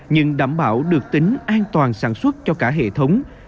nhưng đảm bảo được tính an toàn sản xuất cho cả hệ thống